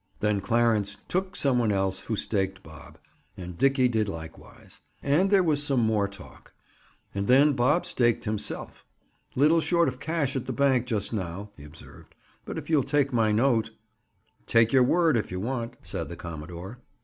Then Clarence "took" some one else who staked Bob. And Dickie did likewise. And there was some more talk. And then Bob staked himself. "Little short of cash at the bank just now," he observed. "But if you'll take my note—" "Take your word if you want," said the commodore.